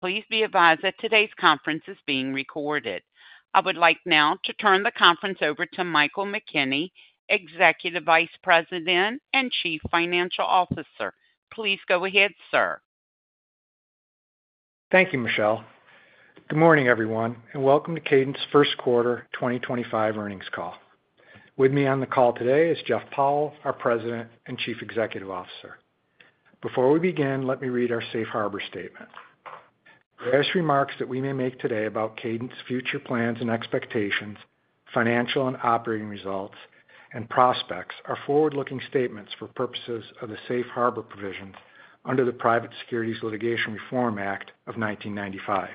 Please be advised that today's conference is being recorded. I would like now to turn the conference over to Michael McKenney, Executive Vice President and Chief Financial Officer. Please go ahead, sir. Thank you, Michelle. Good morning, everyone, and welcome to Kadant's First Quarter 2025 Earnings Call. With me on the call today is Jeff Powell, our President and Chief Executive Officer. Before we begin, let me read our Safe Harbor Statement. Various remarks that we may make today about Kadant's future plans and expectations, financial and operating results, and prospects are forward-looking statements for purposes of the Safe Harbor Provisions under the Private Securities Litigation Reform Act of 1995.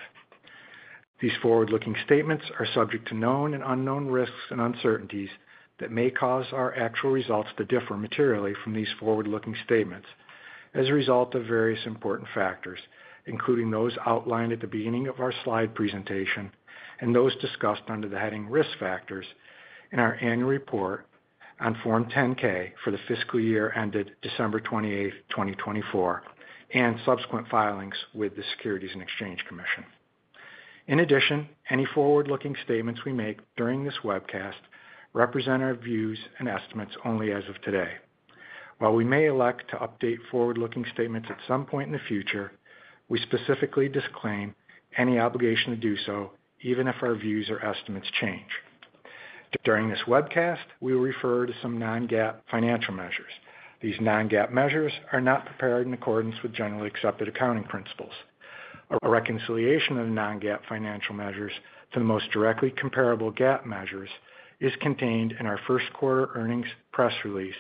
These forward-looking statements are subject to known and unknown risks and uncertainties that may cause our actual results to differ materially from these forward-looking statements as a result of various important factors, including those outlined at the beginning of our slide presentation and those discussed under the heading risk factors in our annual report on Form 10-K for the fiscal year ended December 28, 2024, and subsequent filings with the Securities and Exchange Commission. In addition, any forward-looking statements we make during this webcast represent our views and estimates only as of today. While we may elect to update forward-looking statements at some point in the future, we specifically disclaim any obligation to do so even if our views or estimates change. During this webcast, we will refer to some non-GAAP financial measures. These non-GAAP measures are not prepared in accordance with generally accepted accounting principles. A reconciliation of non-GAAP financial measures to the most directly comparable GAAP measures is contained in our first quarter earnings press release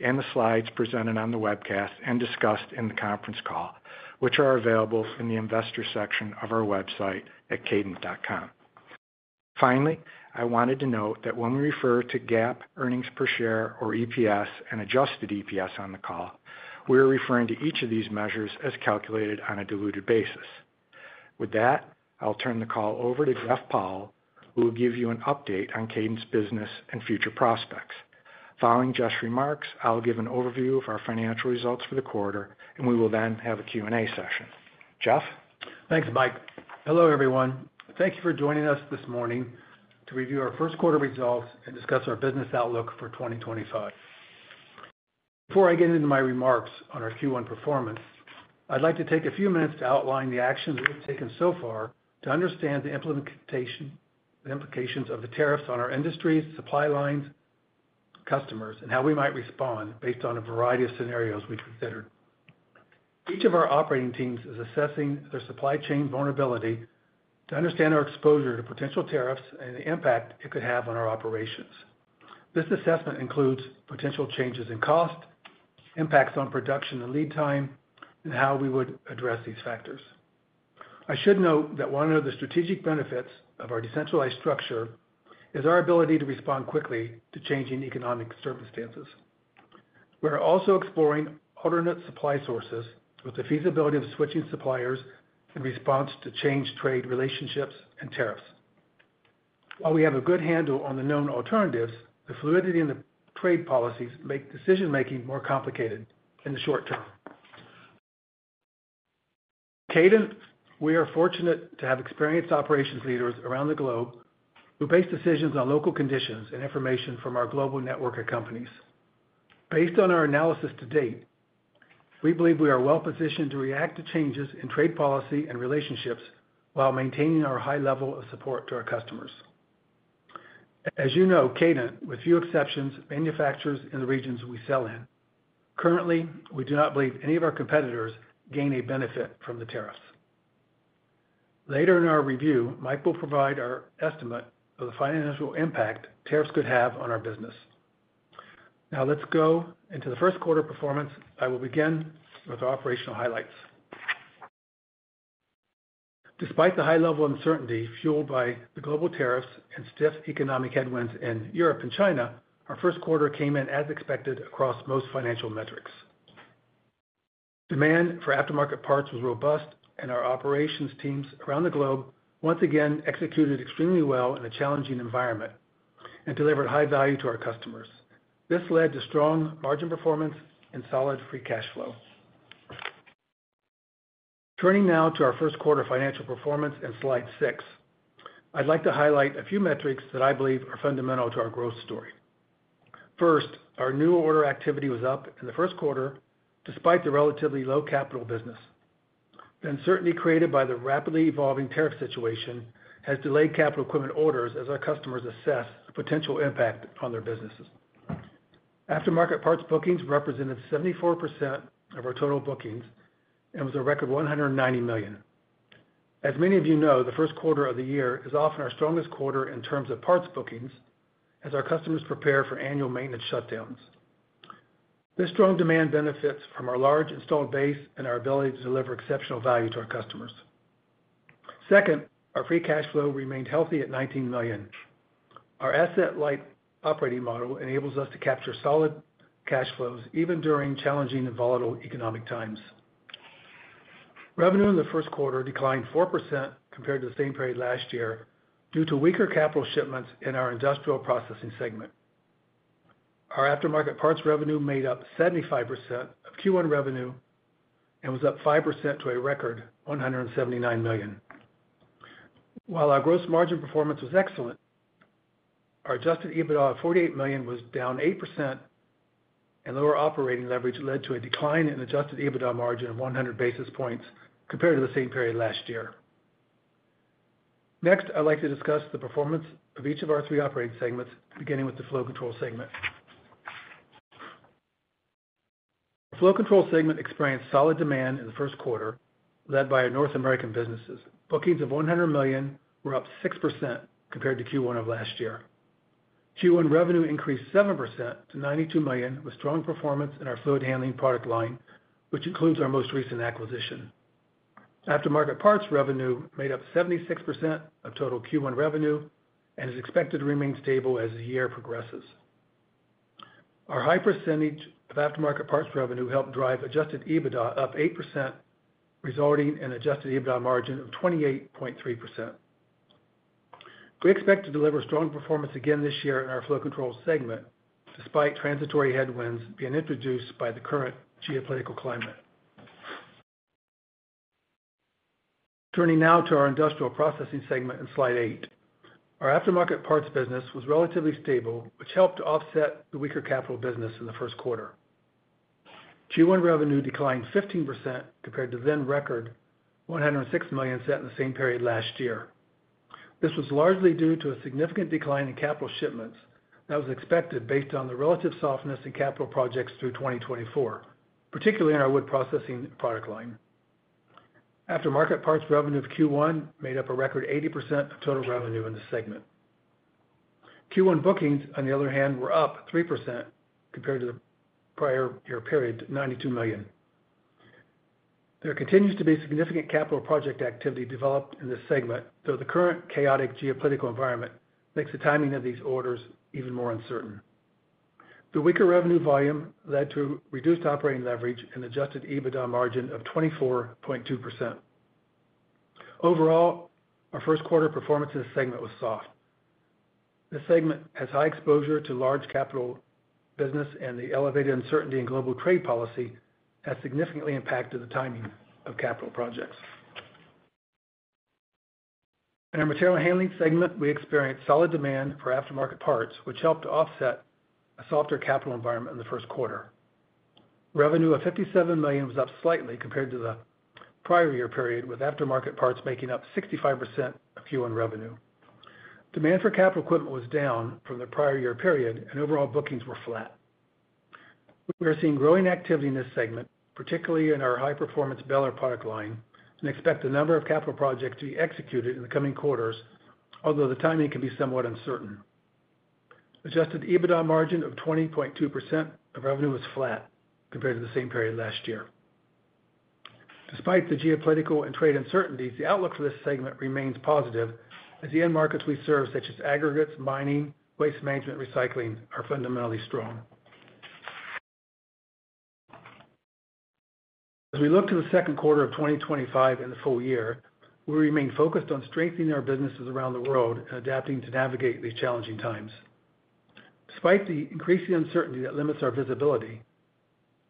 and the slides presented on the webcast and discussed in the conference call, which are available in the investor section of our website at kadant.com. Finally, I wanted to note that when we refer to GAAP earnings per share or EPS and Adjusted EPS on the call, we are referring to each of these measures as calculated on a diluted basis. With that, I'll turn the call over to Jeff Powell, who will give you an update on Kadant's business and future prospects. Following Jeff's remarks, I'll give an overview of our financial results for the quarter, and we will then have a Q&A session. Jeff? Thanks, Mike. Hello, everyone. Thank you for joining us this morning to review our first quarter results and discuss our business outlook for 2025. Before I get into my remarks on our Q1 performance, I'd like to take a few minutes to outline the actions we've taken so far to understand the implications of the tariffs on our industry's supply lines, customers, and how we might respond based on a variety of scenarios we've considered. Each of our operating teams is assessing their supply chain vulnerability to understand our exposure to potential tariffs and the impact it could have on our operations. This assessment includes potential changes in cost, impacts on production and lead time, and how we would address these factors. I should note that one of the strategic benefits of our decentralized structure is our ability to respond quickly to changing economic circumstances. We're also exploring alternate supply sources with the feasibility of switching suppliers in response to changed trade relationships and tariffs. While we have a good handle on the known alternatives, the fluidity in the trade policies makes decision-making more complicated in the short-term. At Kadant, we are fortunate to have experienced operations leaders around the globe who base decisions on local conditions and information from our global network of companies. Based on our analysis to date, we believe we are well-positioned to react to changes in trade policy and relationships while maintaining our high level of support to our customers. As you know, Kadant, with few exceptions, manufactures in the regions we sell in. Currently, we do not believe any of our competitors gain a benefit from the tariffs. Later in our review, Mike will provide our estimate of the financial impact tariffs could have on our business. Now, let's go into the first quarter performance. I will begin with our operational highlights. Despite the high level of uncertainty fueled by the global tariffs and stiff economic headwinds in Europe and China, our first quarter came in as expected across most financial metrics. Demand for aftermarket parts was robust, and our operations teams around the globe once again executed extremely well in a challenging environment and delivered high value to our customers. This led to strong margin performance and solid free cash flow. Turning now to our first quarter financial performance and slide six, I'd like to highlight a few metrics that I believe are fundamental to our growth story. First, our new order activity was up in the first quarter despite the relatively low capital business. The uncertainty created by the rapidly evolving tariff situation has delayed capital equipment orders as our customers assess a potential impact on their businesses. Aftermarket parts bookings represented 74% of our total bookings and was a record $190 million. As many of you know, the first quarter of the year is often our strongest quarter in terms of parts bookings as our customers prepare for annual maintenance shutdowns. This strong demand benefits from our large installed base and our ability to deliver exceptional value to our customers. Second, our free cash flow remained healthy at $19 million. Our asset light operating model enables us to capture solid cash flows even during challenging and volatile economic times. Revenue in the first quarter declined 4% compared to the same period last year due to weaker capital shipments in our Industrial Processing segment. Our aftermarket parts revenue made up 75% of Q1 revenue and was up 5% to a record $179 million. While our gross margin performance was excellent, our Adjusted EBITDA of $48 million was down 8%, and lower operating leverage led to a decline in Adjusted EBITDA margin of 100 basis points compared to the same period last year. Next, I'd like to discuss the performance of each of our three operating segments, beginning with the Flow Control segment. The Flow Control segment experienced solid demand in the first quarter, led by our North American businesses. Bookings of $100 million were up 6% compared to Q1 of last year. Q1 revenue increased 7% to $92 million with strong performance in our fluid handling product line, which includes our most recent acquisition. Aftermarket parts revenue made up 76% of total Q1 revenue and is expected to remain stable as the year progresses. Our high percentage of aftermarket parts revenue helped drive Adjusted EBITDA up 8%, resulting in an Adjusted EBITDA margin of 28.3%. We expect to deliver strong performance again this year in our Flow Control segment despite transitory headwinds being introduced by the current geopolitical climate. Turning now to our Industrial Processing segment and slide eight, our aftermarket parts business was relatively stable, which helped offset the weaker capital business in the first quarter. Q1 revenue declined 15% compared to the then record $106 million set in the same period last year. This was largely due to a significant decline in capital shipments that was expected based on the relative softness in capital projects through 2024, particularly in our wood processing product line. Aftermarket parts revenue of Q1 made up a record 80% of total revenue in the segment. Q1 bookings, on the other hand, were up 3% compared to the prior year period, $92 million. There continues to be significant capital project activity developed in this segment, though the current chaotic geopolitical environment makes the timing of these orders even more uncertain. The weaker revenue volume led to reduced operating leverage and Adjusted EBITDA margin of 24.2%. Overall, our first quarter performance in this segment was soft. This segment has high exposure to large capital business, and the elevated uncertainty in global trade policy has significantly impacted the timing of capital projects. In our material handling segment, we experienced solid demand for aftermarket parts, which helped offset a softer capital environment in the first quarter. Revenue of $57 million was up slightly compared to the prior year period, with aftermarket parts making up 65% of Q1 revenue. Demand for capital equipment was down from the prior year period, and overall bookings were flat. We are seeing growing activity in this segment, particularly in our high-performance baler product line, and expect a number of capital projects to be executed in the coming quarters, although the timing can be somewhat uncertain. Adjusted EBITDA margin of 20.2% of revenue was flat compared to the same period last year. Despite the geopolitical and trade uncertainties, the outlook for this segment remains positive as the end markets we serve, such as aggregates, mining, waste management, and recycling, are fundamentally strong. As we look to the second quarter of 2025 and the full year, we remain focused on strengthening our businesses around the world and adapting to navigate these challenging times. Despite the increasing uncertainty that limits our visibility,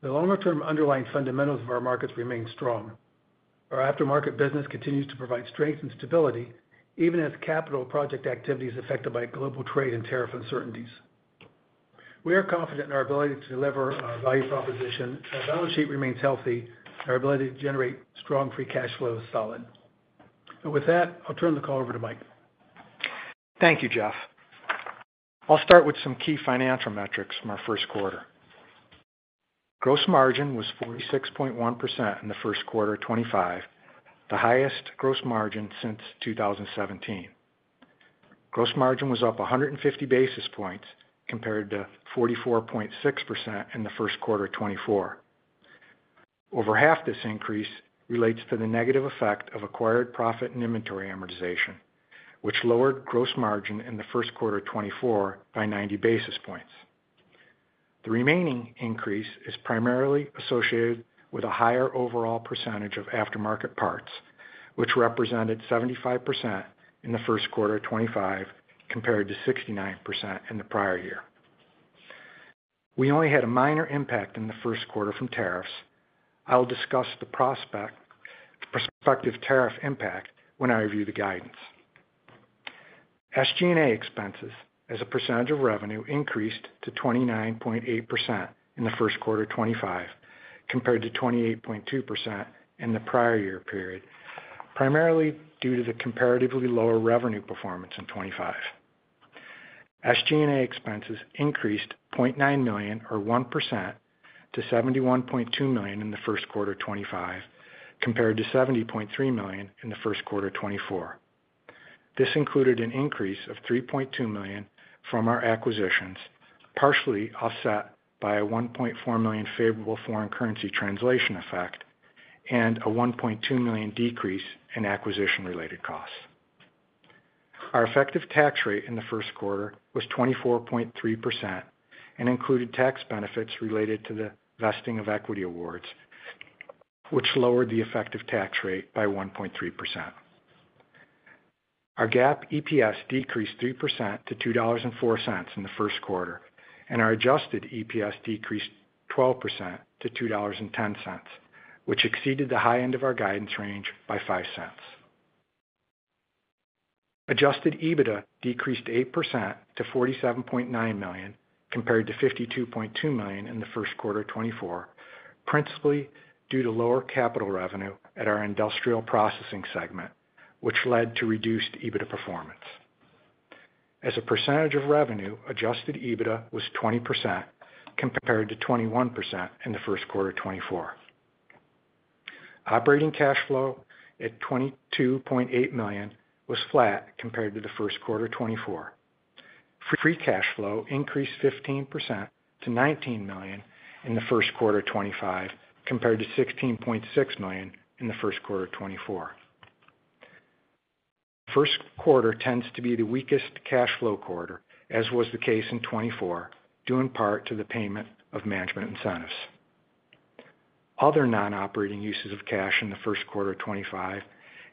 the longer term underlying fundamentals of our markets remain strong. Our aftermarket business continues to provide strength and stability even as capital project activity is affected by global trade and tariff uncertainties. We are confident in our ability to deliver our value proposition. Our balance sheet remains healthy, and our ability to generate strong free cash flow is solid. With that, I'll turn the call over to Mike. Thank you, Jeff. I'll start with some key financial metrics from our first quarter. Gross margin was 46.1% in the first quarter of 2025, the highest gross margin since 2017. Gross margin was up 150 basis points compared to 44.6% in the first quarter of 2024. Over half this increase relates to the negative effect of acquired profit and inventory amortization, which lowered gross margin in the first quarter of 2024 by 90 basis points. The remaining increase is primarily associated with a higher overall percentage of aftermarket parts, which represented 75% in the first quarter of 2025 compared to 69% in the prior year. We only had a minor impact in the first quarter from tariffs. I'll discuss the prospective tariff impact when I review the guidance. SG&A expenses as a percentage of revenue increased to 29.8% in the first quarter of 2025 compared to 28.2% in the prior year period, primarily due to the comparatively lower revenue performance in 2025. SG&A expenses increased $0.9 million, or 1%, to $71.2 million in the first quarter of 2025 compared to $70.3 million in the first quarter of 2024. This included an increase of $3.2 million from our acquisitions, partially offset by a $1.4 million favorable foreign currency translation effect and a $1.2 million decrease in acquisition-related costs. Our effective tax rate in the first quarter was 24.3% and included tax benefits related to the vesting of equity awards, which lowered the effective tax rate by 1.3%. Our GAAP EPS decreased 3% to $2.04 in the first quarter, and our Adjusted EPS decreased 12% to $2.10, which exceeded the high end of our guidance range by $0.05. Adjusted EBITDA decreased 8% to $47.9 million compared to $52.2 million in the first quarter of 2024, principally due to lower capital revenue at our Industrial Processing segment, which led to reduced EBITDA performance. As a percentage of revenue, Adjusted EBITDA was 20% compared to 21% in the first quarter of 2024. Operating cash flow at $22.8 million was flat compared to the first quarter of 2024. Free cash flow increased 15% to $19 million in the first quarter of 2025 compared to $16.6 million in the first quarter of 2024. The first quarter tends to be the weakest cash flow quarter, as was the case in 2024, due in part to the payment of management incentives. Other non-operating uses of cash in the first quarter of 2025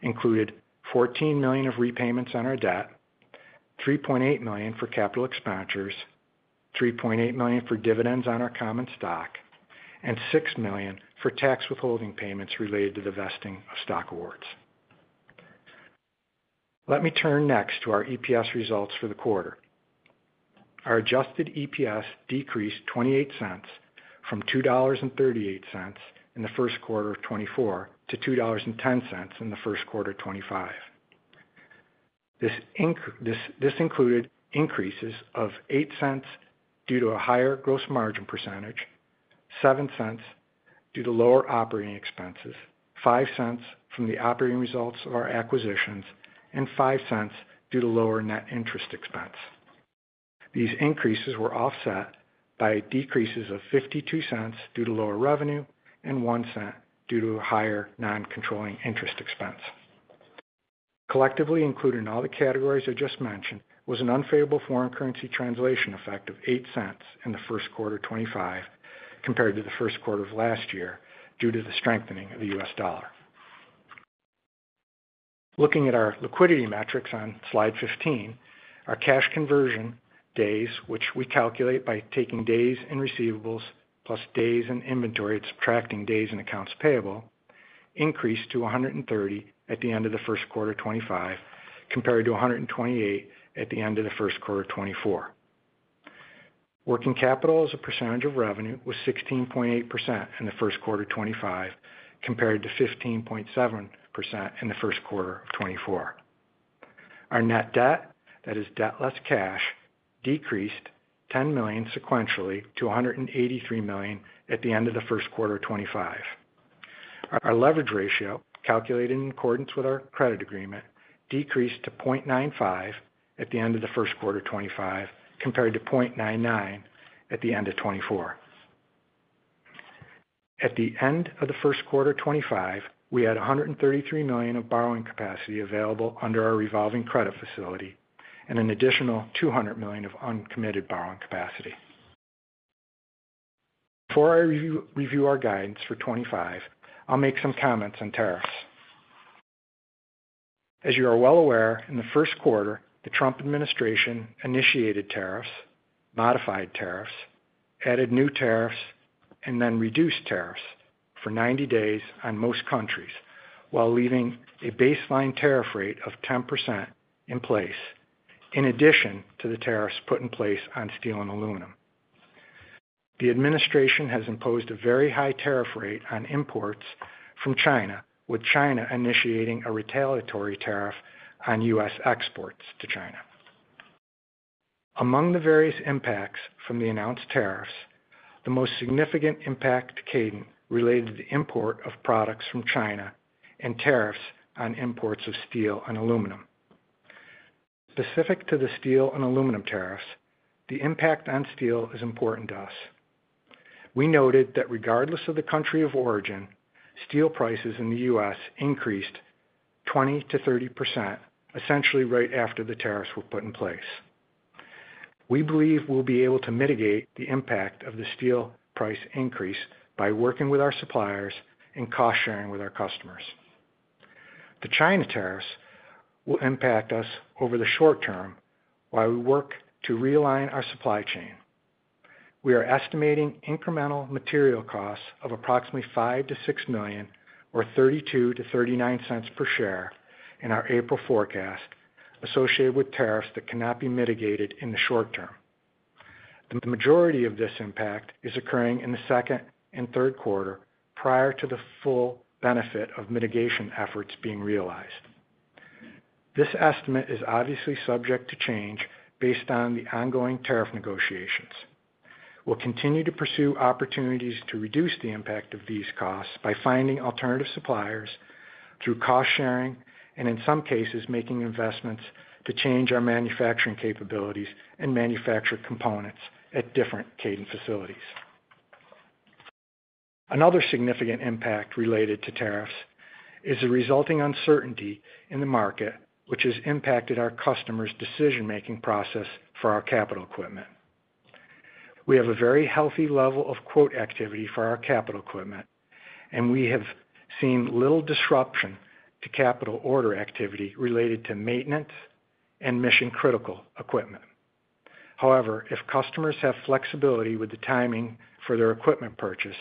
included $14 million of repayments on our debt, $3.8 million for capital expenditures, $3.8 million for dividends on our common stock, and $6 million for tax withholding payments related to the vesting of stock awards. Let me turn next to our EPS results for the quarter. Our Adjusted EPS decreased $0.28 from $2.38 in the first quarter of 2024 to $2.10 in the first quarter of 2025. This included increases of $0.08 due to a higher gross margin percentage, $0.07 due to lower operating expenses, $0.05 from the operating results of our acquisitions, and $0.05 due to lower net interest expense. These increases were offset by decreases of $0.52 due to lower revenue and $0.01 due to a higher non-controlling interest expense. Collectively, including all the categories I just mentioned, was an unfavorable foreign currency translation effect of $0.08 in the first quarter of 2025 compared to the first quarter of last year due to the strengthening of the U.S. dollar. Looking at our liquidity metrics on slide 15, our cash conversion days, which we calculate by taking days in receivables plus days in inventory and subtracting days in accounts payable, increased to 130 at the end of the first quarter of 2025 compared to 128 at the end of the first quarter of 2024. Working capital as a percentage of revenue was 16.8% in the first quarter of 2025 compared to 15.7% in the first quarter of 2024. Our net debt, that is debt less cash, decreased $10 million sequentially to $183 million at the end of the first quarter of 2025. Our leverage ratio, calculated in accordance with our credit agreement, decreased to 0.95 at the end of the first quarter of 2025 compared to 0.99 at the end of 2024. At the end of the first quarter of 2025, we had $133 million of borrowing capacity available under our revolving credit facility and an additional $200 million of uncommitted borrowing capacity. Before I review our guidance for 2025, I'll make some comments on tariffs. As you are well aware, in the first quarter, the Trump administration initiated tariffs, modified tariffs, added new tariffs, and then reduced tariffs for 90 days on most countries while leaving a baseline tariff rate of 10% in place, in addition to the tariffs put in place on steel and aluminum. The administration has imposed a very high tariff rate on imports from China, with China initiating a retaliatory tariff on U.S. exports to China. Among the various impacts from the announced tariffs, the most significant impact to Kadant related to the import of products from China and tariffs on imports of steel and aluminum. Specific to the steel and aluminum tariffs, the impact on steel is important to us. We noted that regardless of the country of origin, steel prices in the U.S. increased 20%-30%, essentially right after the tariffs were put in place. We believe we'll be able to mitigate the impact of the steel price increase by working with our suppliers and cost-sharing with our customers. The China tariffs will impact us over the short-term while we work to realign our supply chain. We are estimating incremental material costs of approximately $5 million-$6 million, or $0.32-$0.39 per share in our April forecast, associated with tariffs that cannot be mitigated in the short-term. The majority of this impact is occurring in the second and third quarter prior to the full benefit of mitigation efforts being realized. This estimate is obviously subject to change based on the ongoing tariff negotiations. We'll continue to pursue opportunities to reduce the impact of these costs by finding alternative suppliers through cost-sharing and, in some cases, making investments to change our manufacturing capabilities and manufacture components at different Kadant facilities. Another significant impact related to tariffs is the resulting uncertainty in the market, which has impacted our customers' decision-making process for our capital equipment. We have a very healthy level of quote activity for our capital equipment, and we have seen little disruption to capital order activity related to maintenance and mission-critical equipment. However, if customers have flexibility with the timing for their equipment purchase,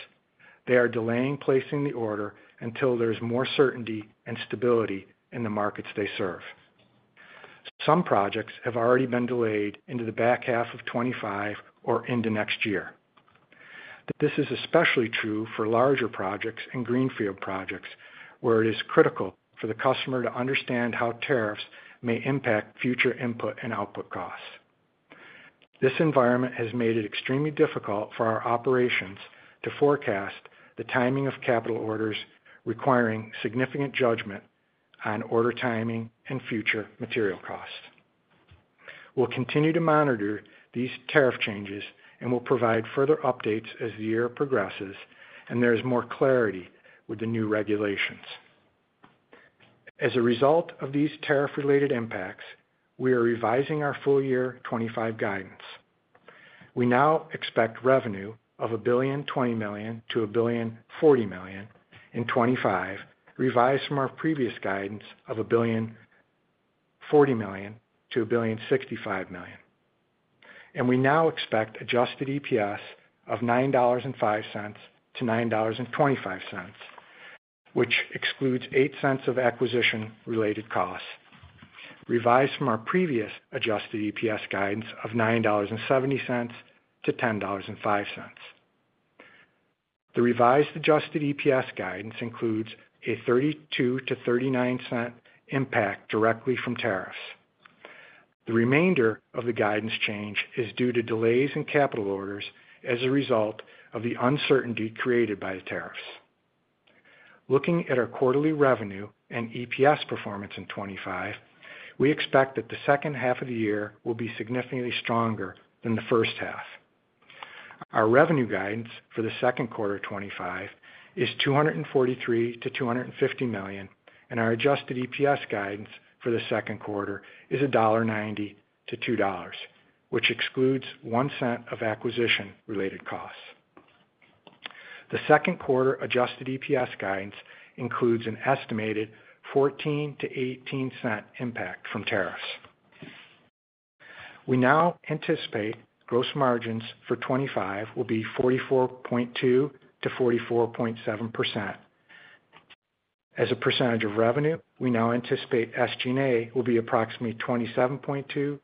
they are delaying placing the order until there is more certainty and stability in the markets they serve. Some projects have already been delayed into the back half of 2025 or into next year. This is especially true for larger projects and greenfield projects, where it is critical for the customer to understand how tariffs may impact future input and output costs. This environment has made it extremely difficult for our operations to forecast the timing of capital orders requiring significant judgment on order timing and future material costs. We'll continue to monitor these tariff changes and will provide further updates as the year progresses and there is more clarity with the new regulations. As a result of these tariff-related impacts, we are revising our full year 2025 guidance. We now expect revenue of $1,020,000,000-$1,040,000,000 in 2025, revised from our previous guidance of $1,040,000,000-$1,065,000,000. We now expect Adjusted EPS of $9.05-$9.25, which excludes $0.08 of acquisition-related costs, revised from our previous Adjusted EPS guidance of $9.70-$10.05. The revised Adjusted EPS guidance includes a $0.32-$0.39 impact directly from tariffs. The remainder of the guidance change is due to delays in capital orders as a result of the uncertainty created by the tariffs. Looking at our quarterly revenue and EPS performance in 2025, we expect that the second half of the year will be significantly stronger than the first half. Our revenue guidance for the second quarter of 2025 is $243 million-$250 million, and our Adjusted EPS guidance for the second quarter is $1.90-$2.00, which excludes $0.01 of acquisition-related costs. The second quarter Adjusted EPS guidance includes an estimated $0.14-$0.18 impact from tariffs. We now anticipate gross margins for 2025 will be 44.2%-44.7%. As a percentage of revenue, we now anticipate SG&A will be approximately 27.2%-27.7%.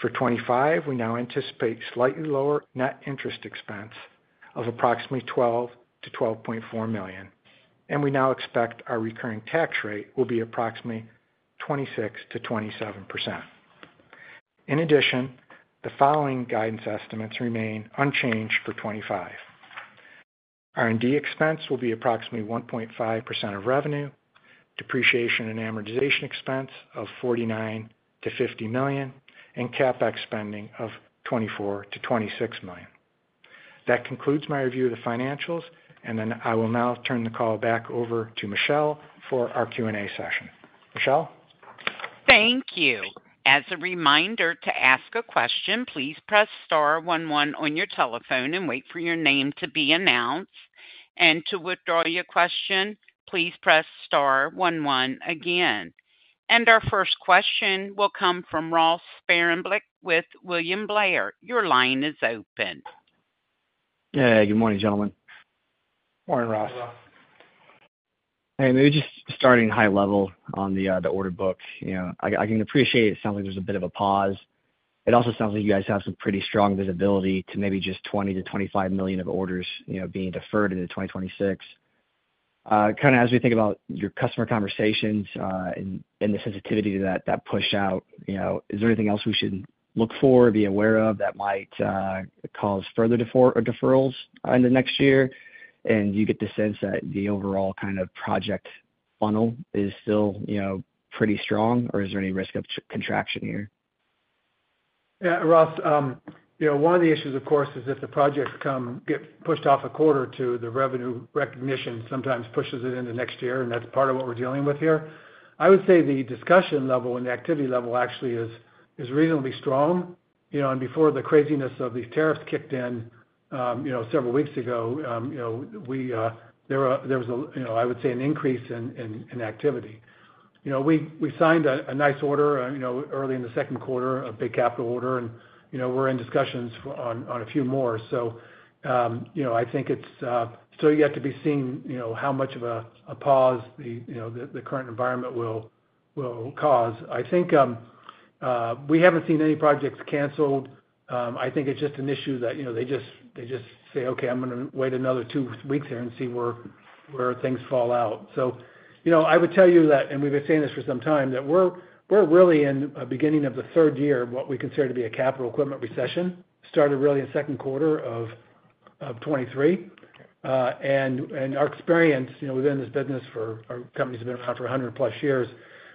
For 2025, we now anticipate slightly lower net interest expense of approximately $12 million-$12.4 million, and we now expect our recurring tax rate will be approximately 26%-27%. In addition, the following guidance estimates remain unchanged for 2025. R&D expense will be approximately 1.5% of revenue, depreciation and amortization expense of $49 million-$50 million, and CapEx spending of $24 million-$26 million. That concludes my review of the financials, and then I will now turn the call back over to Michelle for our Q&A session. Michelle? Thank you. As a reminder, to ask a question, please press star one one on your telephone and wait for your name to be announced. To withdraw your question, please press star one one again. Our first question will come from Ross Sparenblek with William Blair. Your line is open. Hey, good morning, gentlemen. Morning, Ross. Hello. Hey, maybe just starting high level on the order book. I can appreciate it sounds like there's a bit of a pause. It also sounds like you guys have some pretty strong visibility to maybe just $20 million-$25 million of orders being deferred into 2026. Kind of as we think about your customer conversations and the sensitivity to that push out, is there anything else we should look for, be aware of that might cause further deferrals in the next year? You get the sense that the overall kind of project funnel is still pretty strong, or is there any risk of contraction here? Yeah, Ross, one of the issues, of course, is if the projects get pushed off a quarter or two, the revenue recognition sometimes pushes it into next year, and that is part of what we are dealing with here. I would say the discussion level and the activity level actually is reasonably strong. Before the craziness of these tariffs kicked in several weeks ago, there was, I would say, an increase in activity. We signed a nice order early in the second quarter, a big capital order, and we are in discussions on a few more. I think it is still yet to be seen how much of a pause the current environment will cause. I think we have not seen any projects canceled. I think it's just an issue that they just say, "Okay, I'm going to wait another two weeks here and see where things fall out." I would tell you that, and we've been saying this for some time, that we're really in the beginning of the third year of what we consider to be a capital equipment recession, started really in the second quarter of 2023. Our experience within this business for our companies have been around for 100-plus years.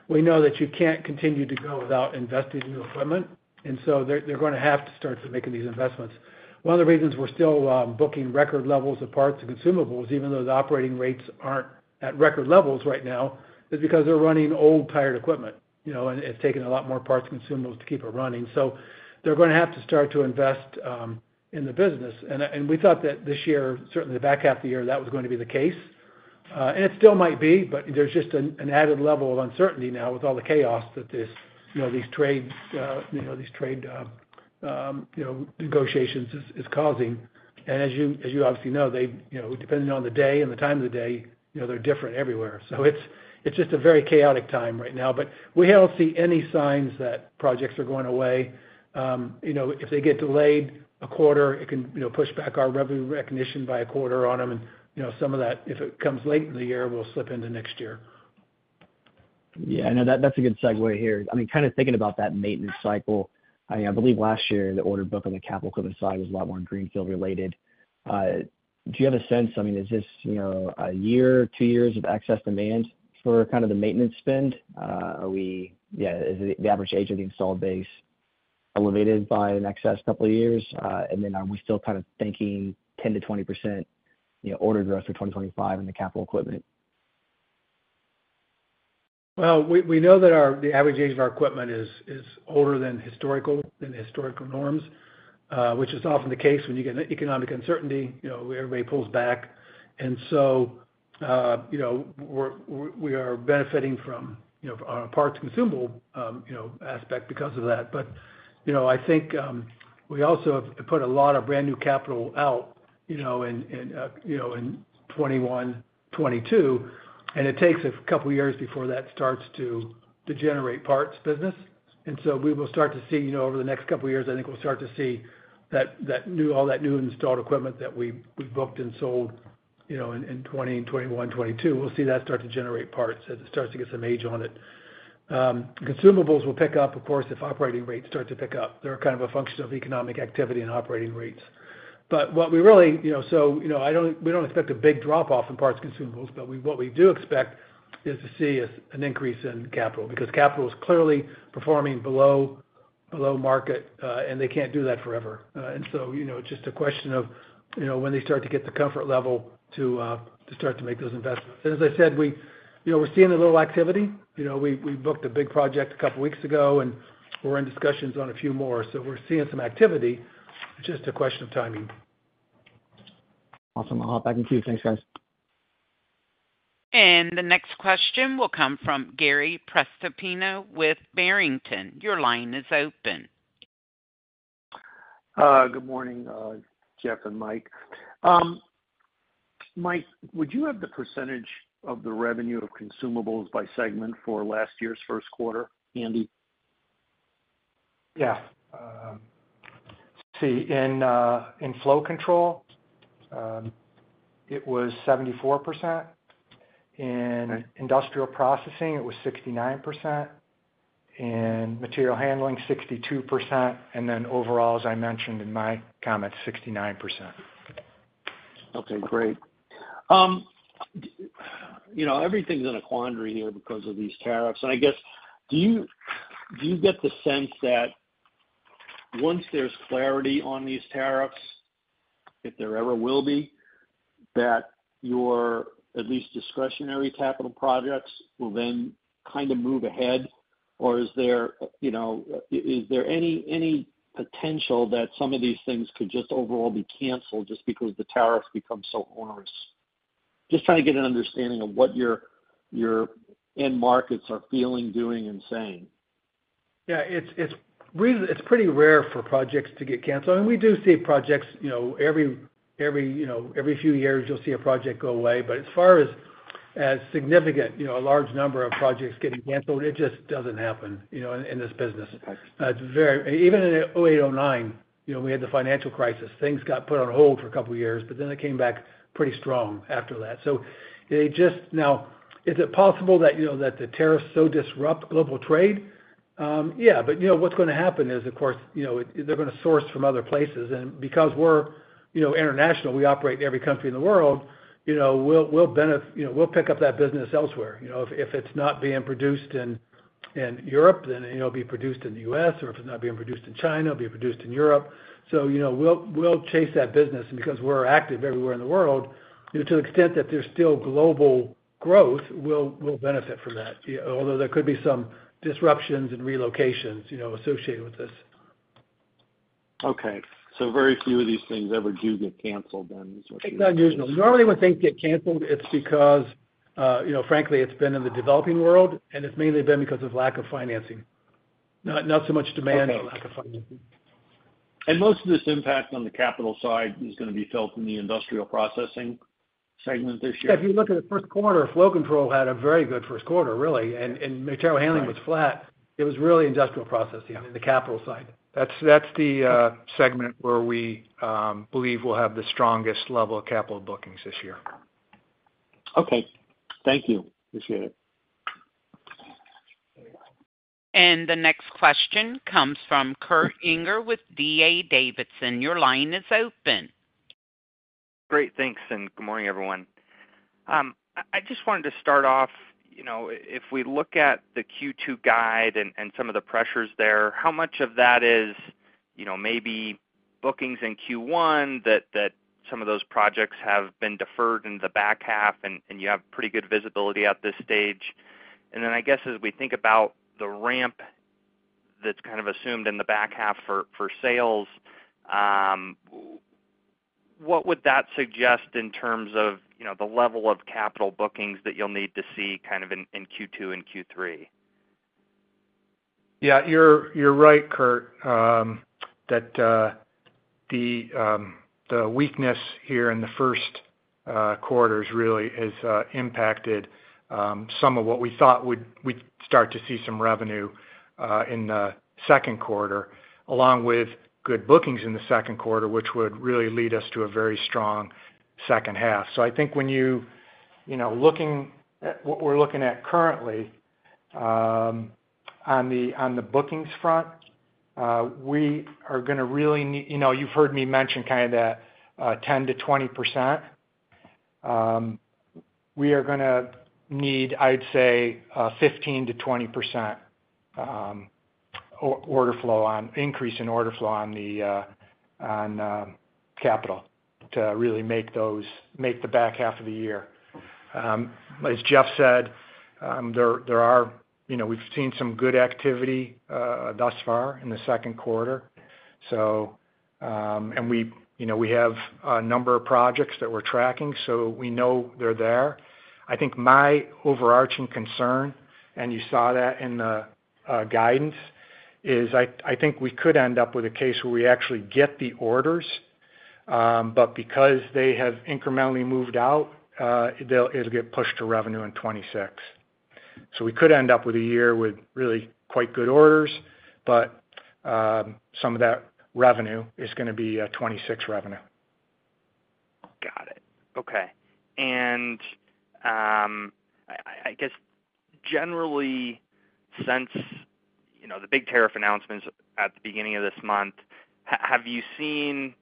We know that you can't continue to go without investing in new equipment, and so they're going to have to start making these investments. One of the reasons we're still booking record levels of parts and consumables, even though the operating rates aren't at record levels right now, is because they're running old-tired equipment, and it's taken a lot more parts and consumables to keep it running. They're going to have to start to invest in the business. We thought that this year, certainly the back half of the year, that was going to be the case. It still might be, but there's just an added level of uncertainty now with all the chaos that these trade negotiations are causing. As you obviously know, depending on the day and the time of the day, they're different everywhere. It's just a very chaotic time right now, but we don't see any signs that projects are going away. If they get delayed a quarter, it can push back our revenue recognition by a quarter on them. Some of that, if it comes late in the year, will slip into next year. Yeah, I know that's a good segue here. I mean, kind of thinking about that maintenance cycle, I believe last year, the order book on the capital equipment side was a lot more greenfield-related. Do you have a sense? I mean, is this a year, two years of excess demand for kind of the maintenance spend? Yeah, is the average age of the installed base elevated by an excess couple of years? And then are we still kind of thinking 10%-20% order growth for 2025 in the capital equipment? We know that the average age of our equipment is older than historical norms, which is often the case when you get economic uncertainty, everybody pulls back. We are benefiting from our parts and consumable aspect because of that. I think we also have put a lot of brand new capital out in 2021, 2022, and it takes a couple of years before that starts to generate parts business. We will start to see over the next couple of years, I think we will start to see all that new installed equipment that we booked and sold in 2020, 2021, 2022. We will see that start to generate parts as it starts to get some age on it. Consumables will pick up, of course, if operating rates start to pick up. They are kind of a function of economic activity and operating rates. What we really—so we do not expect a big drop-off in parts and consumables, but what we do expect is to see an increase in capital because capital is clearly performing below market, and they cannot do that forever. It is just a question of when they start to get the comfort level to start to make those investments. As I said, we are seeing a little activity. We booked a big project a couple of weeks ago, and we are in discussions on a few more. We are seeing some activity. It is just a question of timing. Awesome. I'll hop back and see. Thanks, guys. The next question will come from Gary Prestopino with Barrington. Your line is open. Good morning, Jeff and Mike. Mike, would you have the percentage of the revenue of consumables by segment for last year's first quarter, handy? Yeah. See, in Flow Control, it was 74%. In Industrial Processing, it was 69%. In material handling, 62%. And then overall, as I mentioned in my comments, 69%. Okay, great. Everything's in a quandary here because of these tariffs. I guess, do you get the sense that once there's clarity on these tariffs, if there ever will be, that your at least discretionary capital projects will then kind of move ahead? Or is there any potential that some of these things could just overall be canceled just because the tariffs become so onerous? Just trying to get an understanding of what your end markets are feeling, doing, and saying. Yeah, it's pretty rare for projects to get canceled. I mean, we do see projects every few years. You'll see a project go away. As far as significant, a large number of projects getting canceled, it just doesn't happen in this business. Even in 2008, 2009, we had the financial crisis. Things got put on hold for a couple of years, but then they came back pretty strong after that. Now, is it possible that the tariffs so disrupt global trade? Yeah. What's going to happen is, of course, they're going to source from other places. Because we're international, we operate in every country in the world, we'll pick up that business elsewhere. If it's not being produced in Europe, then it'll be produced in the U.S., or if it's not being produced in China, it'll be produced in Europe. We'll chase that business. Because we're active everywhere in the world, to the extent that there's still global growth, we'll benefit from that, although there could be some disruptions and relocations associated with this. Okay. So very few of these things ever do get canceled then? It's not usual. Normally, when things get canceled, it's because, frankly, it's been in the developing world, and it's mainly been because of lack of financing. Not so much demand, lack of financing. Most of this impact on the capital side is going to be felt in the Industrial Processing segment this year. If you look at the first quarter, Flow Control had a very good first quarter, really. Material handling was flat. It was really Industrial Processing on the capital side. That's the segment where we believe we'll have the strongest level of capital bookings this year. Okay. Thank you. Appreciate it. The next question comes from Kurt Yinger with D.A. Davidson. Your line is open. Great. Thanks. Good morning, everyone. I just wanted to start off, if we look at the Q2 guide and some of the pressures there, how much of that is maybe bookings in Q1 that some of those projects have been deferred in the back half, and you have pretty good visibility at this stage? I guess, as we think about the ramp that's kind of assumed in the back half for sales, what would that suggest in terms of the level of capital bookings that you'll need to see kind of in Q2 and Q3? Yeah, you're right, Kurt, that the weakness here in the first quarter really has impacted some of what we thought we'd start to see some revenue in the second quarter, along with good bookings in the second quarter, which would really lead us to a very strong second half. I think when you're looking at what we're looking at currently on the bookings front, we are going to really need—you've heard me mention kind of that 10%-20%. We are going to need, I'd say, 15%-20% increase in order flow on capital to really make the back half of the year. As Jeff said, we've seen some good activity thus far in the second quarter. We have a number of projects that we're tracking, so we know they're there. I think my overarching concern, and you saw that in the guidance, is I think we could end up with a case where we actually get the orders, but because they have incrementally moved out, it'll get pushed to revenue in 2026. We could end up with a year with really quite good orders, but some of that revenue is going to be 2026 revenue. Got it. Okay. I guess, generally, since the big tariff announcements at the beginning of this month, have you seen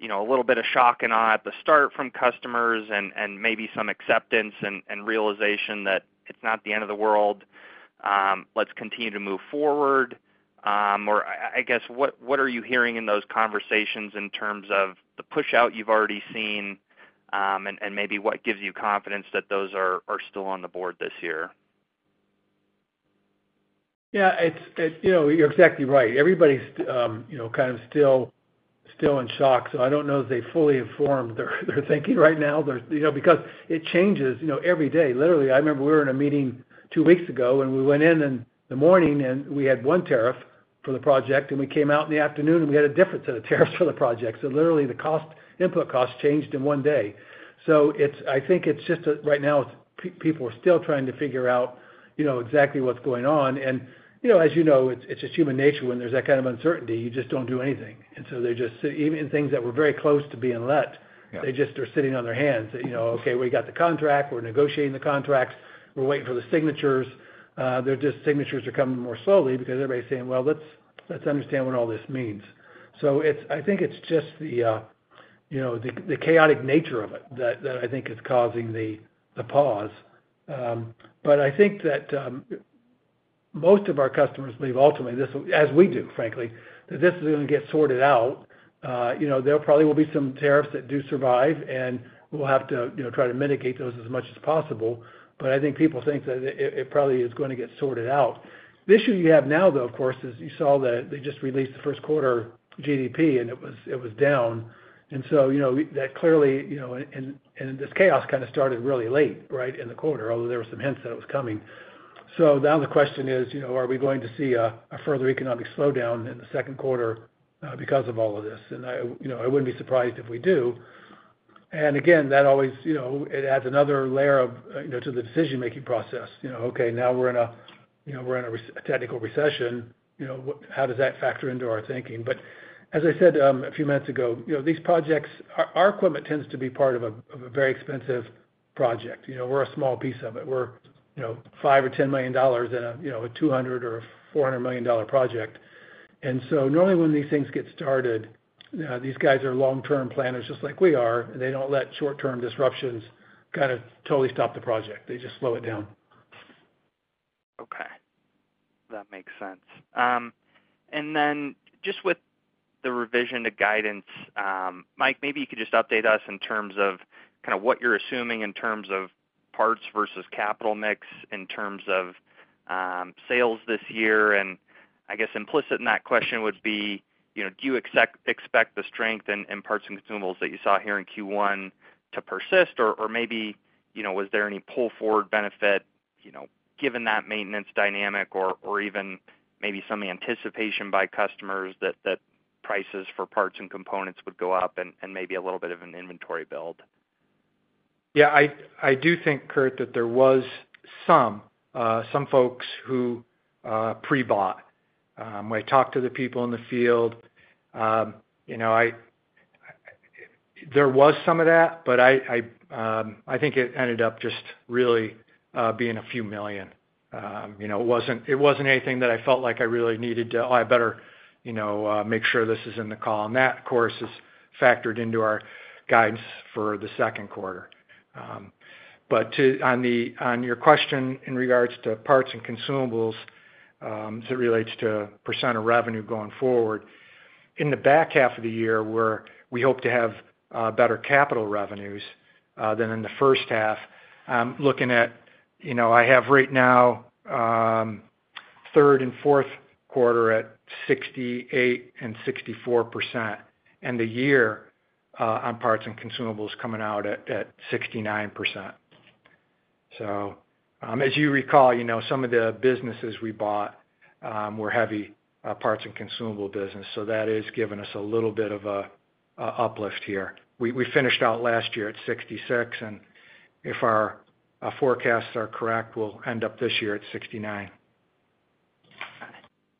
a little bit of shock and awe at the start from customers and maybe some acceptance and realization that it's not the end of the world? Let's continue to move forward. I guess, what are you hearing in those conversations in terms of the push out you've already seen and maybe what gives you confidence that those are still on the board this year? Yeah, you're exactly right. Everybody's kind of still in shock. I don't know if they're fully informed or they're thinking right now because it changes every day. Literally, I remember we were in a meeting two weeks ago, and we went in in the morning, and we had one tariff for the project, and we came out in the afternoon, and we had a different set of tariffs for the project. Literally, the input cost changed in one day. I think it's just right now, people are still trying to figure out exactly what's going on. As you know, it's just human nature when there's that kind of uncertainty. You just don't do anything. They're just sitting—even things that were very close to being let, they just are sitting on their hands. Okay, we got the contract. We're negotiating the contracts. We're waiting for the signatures. They're just—signatures are coming more slowly because everybody's saying, "Well, let's understand what all this means." I think it's just the chaotic nature of it that I think is causing the pause. I think that most of our customers believe, ultimately, as we do, frankly, that this is going to get sorted out. There probably will be some tariffs that do survive, and we'll have to try to mitigate those as much as possible. I think people think that it probably is going to get sorted out. The issue you have now, though, of course, is you saw that they just released the first quarter GDP, and it was down. That clearly—and this chaos kind of started really late in the quarter, although there were some hints that it was coming. Now the question is, are we going to see a further economic slowdown in the second quarter because of all of this? I wouldn't be surprised if we do. Again, that always adds another layer to the decision-making process. Okay, now we're in a technical recession. How does that factor into our thinking? As I said a few minutes ago, these projects, our equipment tends to be part of a very expensive project. We're a small piece of it. We're $5 million or $10 million in a $200 million or a $400 million project. Normally, when these things get started, these guys are long-term planners just like we are. They don't let short-term disruptions kind of totally stop the project. They just slow it down. Okay. That makes sense. Just with the revision to guidance, Mike, maybe you could just update us in terms of kind of what you're assuming in terms of parts versus capital mix, in terms of sales this year. I guess implicit in that question would be, do you expect the strength in parts and consumables that you saw here in Q1 to persist? Or maybe was there any pull-forward benefit given that maintenance dynamic or even maybe some anticipation by customers that prices for parts and components would go up and maybe a little bit of an inventory build? Yeah, I do think, Kurt, that there was some folks who pre-bought. When I talked to the people in the field, there was some of that, but I think it ended up just really being a few million. It was not anything that I felt like I really needed to, "Oh, I better make sure this is in the call." That, of course, is factored into our guidance for the second quarter. On your question in regards to parts and consumables as it relates to % of revenue going forward, in the back half of the year, we hope to have better capital revenues than in the first half. I am looking at—I have right now third and fourth quarter at 68% and 64%, and the year on parts and consumables coming out at 69%. As you recall, some of the businesses we bought were heavy parts and consumable business. That has given us a little bit of an uplift here. We finished out last year at 66%, and if our forecasts are correct, we'll end up this year at 69%.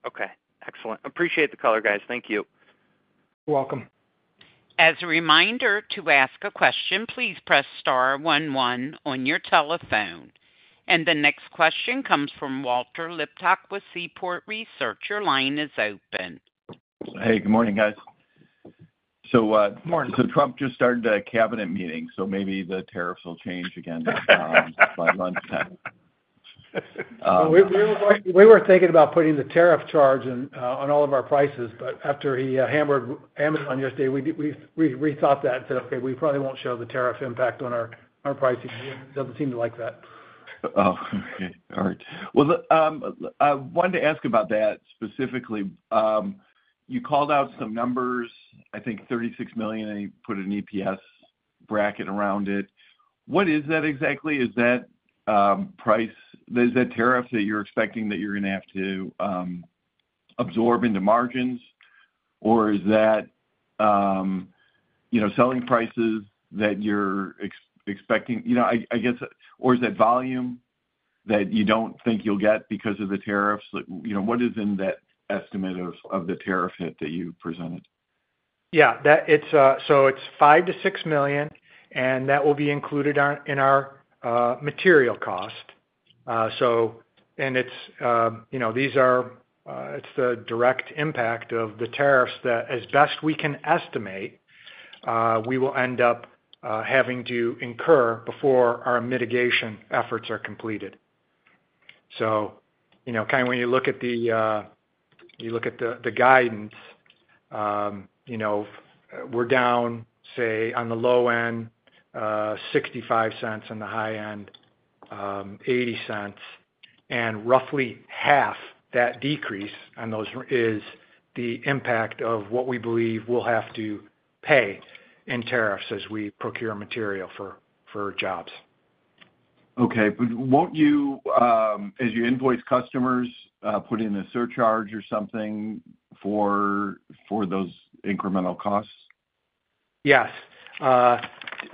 Okay. Excellent. Appreciate the color, guys. Thank you. You're welcome. As a reminder to ask a question, please press star 11 on your telephone. The next question comes from Walter Liptak with Seaport Research. Your line is open. Hey, good morning, guys. Trump just started a cabinet meeting, so maybe the tariffs will change again in five months' time. We were thinking about putting the tariff charge on all of our prices, but after he hammered Amazon yesterday, we rethought that and said, "Okay, we probably won't show the tariff impact on our pricing." He doesn't seem to like that. Oh, okay. All right. I wanted to ask about that specifically. You called out some numbers, I think $36 million, and you put an EPS bracket around it. What is that exactly? Is that price? Is that tariffs that you're expecting that you're going to have to absorb into margins? Or is that selling prices that you're expecting, I guess? Or is that volume that you don't think you'll get because of the tariffs? What is in that estimate of the tariff hit that you presented? Yeah. So it's $5 million-$6 million, and that will be included in our material cost. These are—it's the direct impact of the tariffs that, as best we can estimate, we will end up having to incur before our mitigation efforts are completed. Kind of when you look at the—you look at the guidance, we're down, say, on the low-end, $0.65 on the high-end, $0.80. Roughly half that decrease is the impact of what we believe we'll have to pay in tariffs as we procure material for jobs. Okay. Will you, as you invoice customers, put in a surcharge or something for those incremental costs? Yes.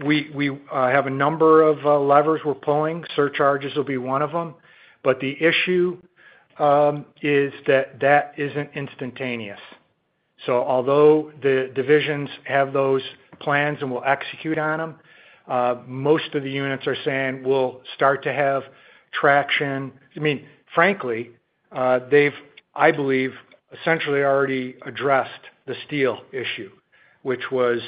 We have a number of levers we're pulling. Surcharges will be one of them. The issue is that that isn't instantaneous. Although the divisions have those plans and will execute on them, most of the units are saying, "We'll start to have traction." I mean, frankly, they've, I believe, essentially already addressed the steel issue, which was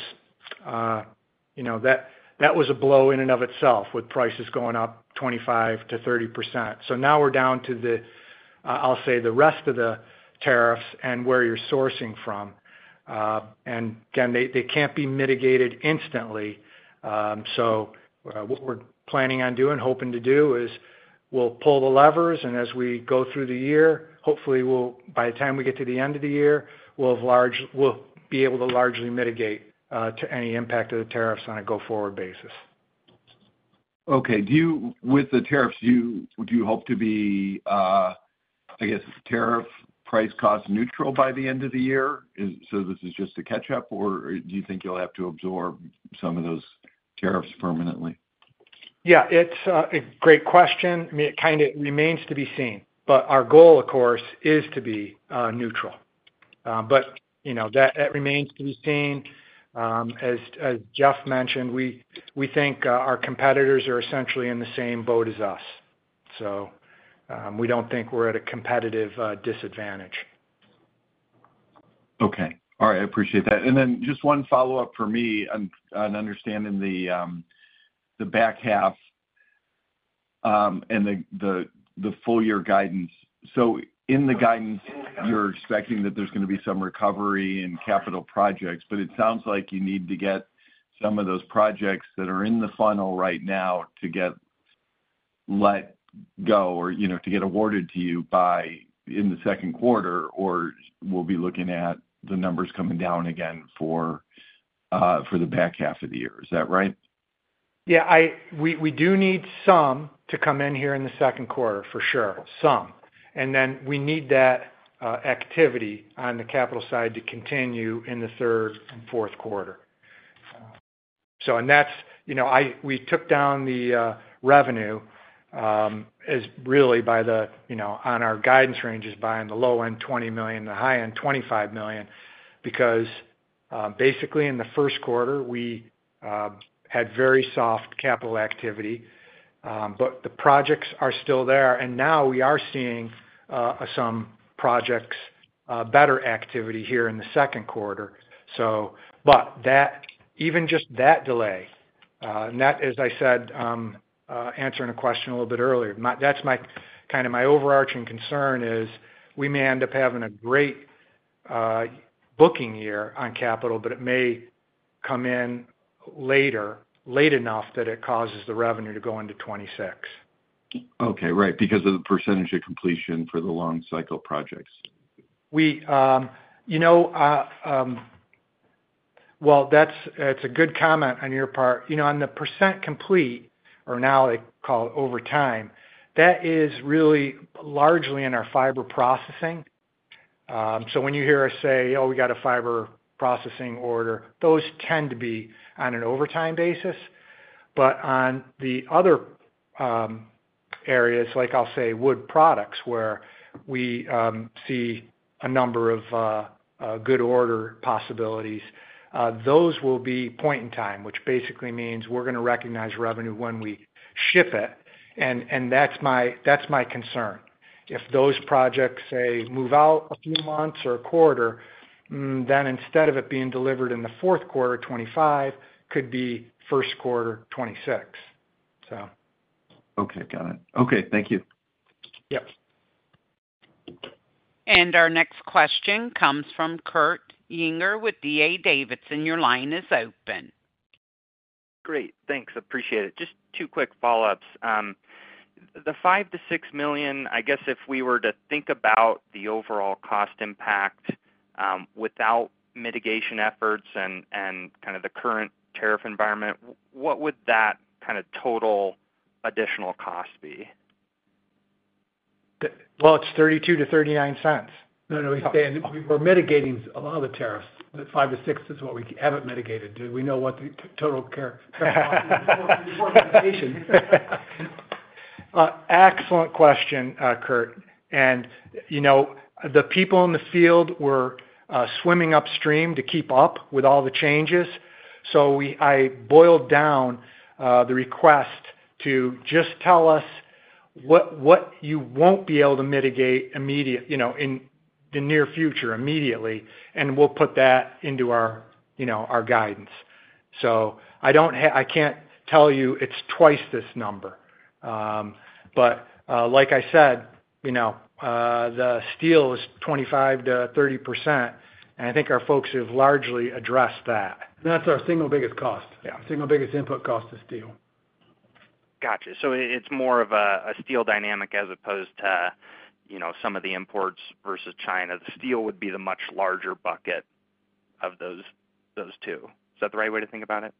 a blow in and of itself with prices going up 25%-30%. Now we're down to, I'll say, the rest of the tariffs and where you're sourcing from. Again, they can't be mitigated instantly. What we're planning on doing, hoping to do, is we'll pull the levers, and as we go through the year, hopefully, by the time we get to the end of the year, we'll be able to largely mitigate any impact of the tariffs on a go-forward basis. Okay. With the tariffs, would you hope to be, I guess, tariff, price, cost neutral by the end of the year? Is this just to catch up, or do you think you'll have to absorb some of those tariffs permanently? Yeah, it's a great question. I mean, it kind of remains to be seen. Our goal, of course, is to be neutral. That remains to be seen. As Jeff mentioned, we think our competitors are essentially in the same boat as us. We don't think we're at a competitive disadvantage. Okay. All right. I appreciate that. Just one follow-up for me on understanding the back half and the full-year guidance. In the guidance, you're expecting that there's going to be some recovery in capital projects, but it sounds like you need to get some of those projects that are in the funnel right now to get let go or to get awarded to you in the second quarter, or we'll be looking at the numbers coming down again for the back half of the year. Is that right? Yeah. We do need some to come in here in the second quarter, for sure. Some. We need that activity on the capital side to continue in the third and fourth quarter. We took down the revenue really by the—on our guidance ranges by on the low-end, $20 million, the high-end, $25 million, because basically in the first quarter, we had very soft capital activity. The projects are still there. Now we are seeing some projects, better activity here in the second quarter. Even just that delay, and that, as I said, answering a question a little bit earlier, that's kind of my overarching concern is we may end up having a great booking year on capital, but it may come in later, late enough that it causes the revenue to go into 2026. Okay. Right. Because of the percentage of completion for the long-cycle projects. You know, that's a good comment on your part. On the percent complete, or now they call it over time, that is really largely in our fiber processing. So when you hear us say, "Oh, we got a fiber processing order," those tend to be on an over time basis. On the other areas, like I'll say, wood products, where we see a number of good order possibilities, those will be point in time, which basically means we're going to recognize revenue when we ship it. That's my concern. If those projects, say, move out a few months or a quarter, then instead of it being delivered in the fourth quarter 2025, it could be first quarter 2026. Okay. Got it. Okay. Thank you. Yep. Our next question comes from Kurt Yinger with D.A. Davidson. Your line is open. Great. Thanks. Appreciate it. Just two quick follow-ups. The $5 million-$6 million, I guess if we were to think about the overall cost impact without mitigation efforts and kind of the current tariff environment, what would that kind of total additional cost be? It is $0.32-$0.39. We are mitigating a lot of the tariffs. The$0.05-$0.06 is what we have not mitigated. Do we know what the total care cost is before mitigation? Excellent question, Kurt. The people in the field were swimming upstream to keep up with all the changes. I boiled down the request to just tell us what you will not be able to mitigate in the near future immediately, and we will put that into our guidance. I cannot tell you it is twice this number. Like I said, the steel is 25%-30%, and I think our folks have largely addressed that. That's our single biggest cost. Our single biggest input cost is steel. Gotcha. It is more of a steel dynamic as opposed to some of the imports versus China. The steel would be the much larger bucket of those two. Is that the right way to think about it?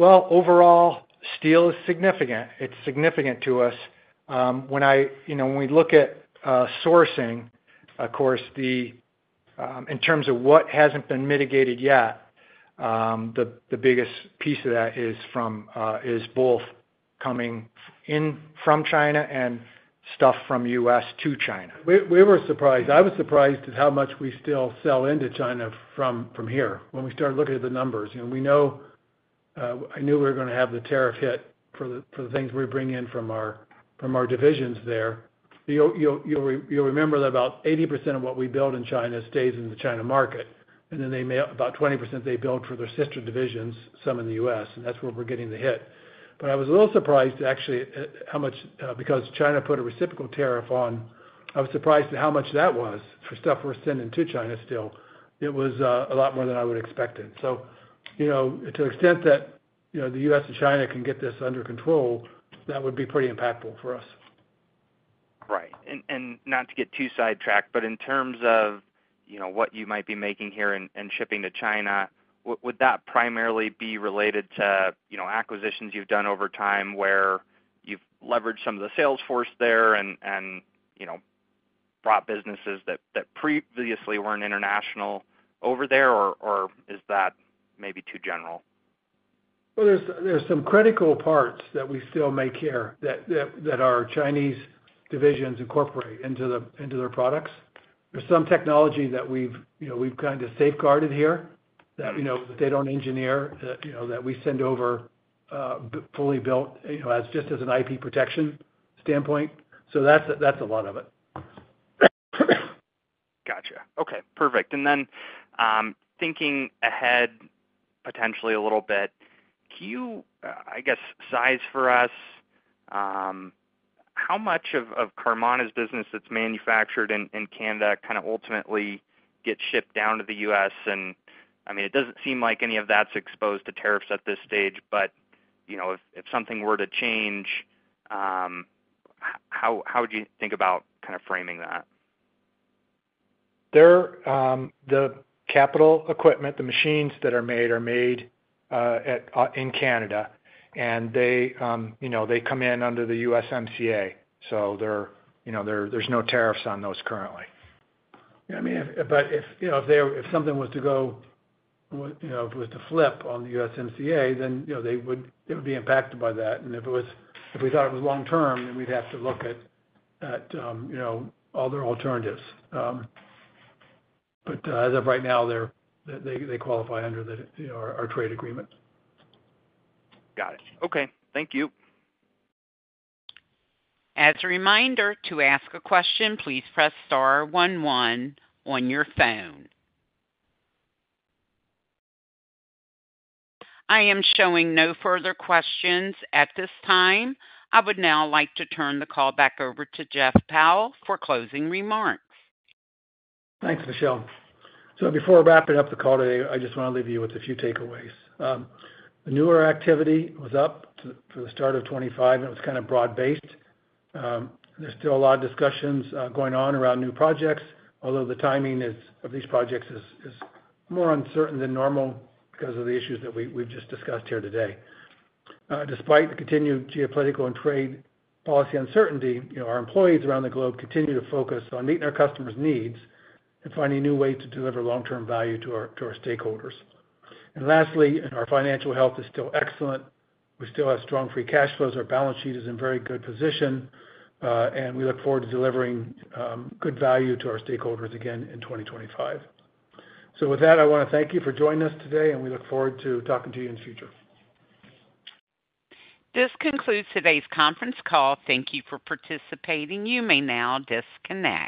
Overall, steel is significant. It's significant to us. When we look at sourcing, of course, in terms of what hasn't been mitigated yet, the biggest piece of that is both coming in from China and stuff from the U.S. to China. We were surprised. I was surprised at how much we still sell into China from here when we started looking at the numbers. I knew we were going to have the tariff hit for the things we bring in from our divisions there. You'll remember that about 80% of what we build in China stays in the China market. And then about 20% they build for their sister divisions, some in the U.S. That is where we're getting the hit. I was a little surprised actually because China put a reciprocal tariff on. I was surprised at how much that was for stuff we're sending to China still. It was a lot more than I would have expected. To the extent that the U.S. and China can get this under control, that would be pretty impactful for us. Right. Not to get too sidetracked, but in terms of what you might be making here and shipping to China, would that primarily be related to acquisitions you've done over time where you've leveraged some of the salesforce there and brought businesses that previously weren't international over there, or is that maybe too general? There are some critical parts that we still make here that our Chinese divisions incorporate into their products. There is some technology that we have kind of safeguarded here that they do not engineer, that we send over fully built just as an IP protection standpoint. That is a lot of it. Gotcha. Okay. Perfect. Thinking ahead potentially a little bit, can you, I guess, size for us how much of Carmanah's business that's manufactured in Canada kind of ultimately gets shipped down to the U.S.? I mean, it doesn't seem like any of that's exposed to tariffs at this stage, but if something were to change, how would you think about kind of framing that? The capital equipment, the machines that are made are made in Canada, and they come in under the USMCA. There are no tariffs on those currently. Yeah. I mean, if something was to go, if it was to flip on the USMCA, they would be impacted by that. If we thought it was long-term, we would have to look at other alternatives. As of right now, they qualify under our trade agreement. Got it. Okay. Thank you. As a reminder, to ask a question, please press star one one on your phone. I am showing no further questions at this time. I would now like to turn the call back over to Jeff Powell for closing remarks. Thanks, Michelle. Before wrapping up the call today, I just want to leave you with a few takeaways. The newer activity was up for the start of 2025, and it was kind of broad-based. There's still a lot of discussions going on around new projects, although the timing of these projects is more uncertain than normal because of the issues that we've just discussed here today. Despite the continued geopolitical and trade policy uncertainty, our employees around the globe continue to focus on meeting our customers' needs and finding new ways to deliver long-term value to our stakeholders. Lastly, our financial health is still excellent. We still have strong free cash flows. Our balance sheet is in very good position, and we look forward to delivering good value to our stakeholders again in 2025. With that, I want to thank you for joining us today, and we look forward to talking to you in the future. This concludes today's conference call. Thank you for participating. You may now disconnect.